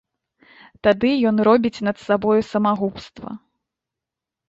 Тады ён робіць над сабою самагубства.